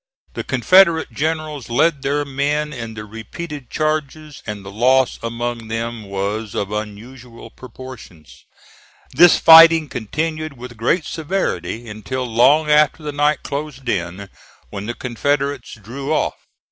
The Confederate generals led their men in the repeated charges, and the loss among them was of unusual proportions. This fighting continued with great severity until long after the night closed in, when the Confederates drew off.